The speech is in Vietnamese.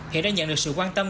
hiện đang nhận được sự quan tâm